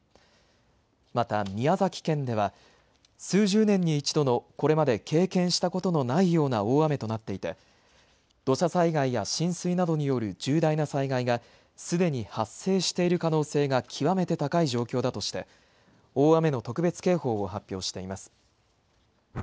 また宮崎県では数十年に一度のこれまで経験したことのないような大雨となっていて土砂災害や浸水などによる重大な災害がすでに発生している可能性が極めて高い状況だとして大雨の特別警報を発表しています。